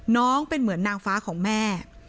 น้องเป็นเหมือนนางฟ้าของแม่